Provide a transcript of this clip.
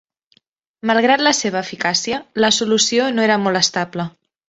Malgrat la seva eficàcia, la solució no era molt estable.